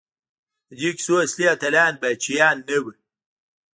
د دې کیسو اصلي اتلان پاچاهان نه وو.